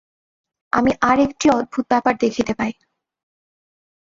আমি আর একটি অদ্ভুত ব্যাপার দেখিতে পাই।